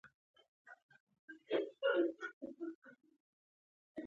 غوسه کول هسې د انرژۍ ضایع کول دي.